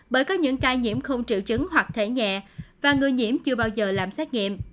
bởi có những ca nhiễm không triệu chứng hoặc thể nhẹ và người nhiễm chưa bao giờ làm xét nghiệm